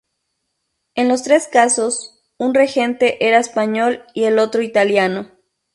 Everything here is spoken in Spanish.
En los tres casos, un regente era español y el otro italiano.